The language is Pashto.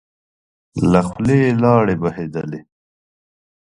له خولی يې لاړې بهېدلې.